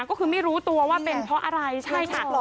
ก็คือไม่รู้ตัวว่าเป็นเพราะอะไรใช่ค่ะ